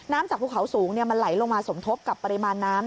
จากภูเขาสูงมันไหลลงมาสมทบกับปริมาณน้ำ